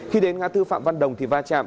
khi đến ngã tư phạm văn đồng thì va chạm